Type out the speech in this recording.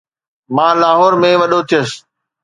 مان لاهور ۾ وڏو ٿيس